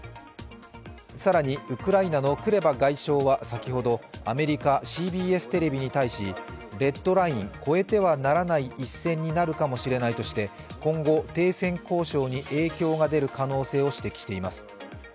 更に、ウクライナのクレバ外相は先ほど、アメリカＣＢＳテレビに対し、レッドライン＝越えてはならない一線になるかもしれないとして今後、停戦交渉に影響が出る可能性を指摘しています。